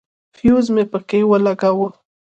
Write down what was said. فيوز مې پکښې ولګاوه.